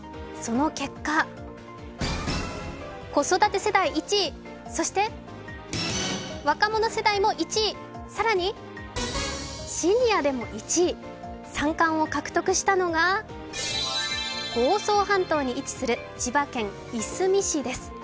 その結果子育て世代１位、そして若者世代も１位、更にシニアでも１位、３冠を獲得したのが房総半島に位置する千葉県いすみ市です。